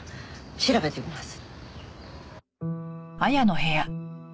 調べてみます。